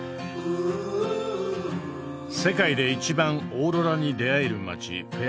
世界で一番オーロラに出逢える街フェア